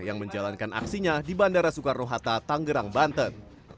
yang menjalankan aksinya di bandara soekarno hatta tanggerang banten